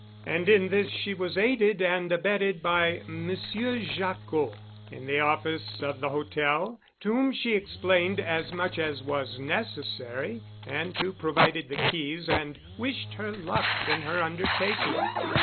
And in this she was aided and abetted by Monsieur Jacquot, in the office of the hotel, to whom she explained as much as was necessary, and who provided the keys and wished her luck in her undertaking.